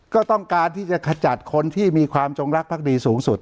ก็ต้องการที่จะขจัดคนที่มีความจงรักภักดีสูงสุด